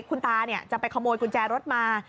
คุณตาจะไปขโมยกุญแจรถมา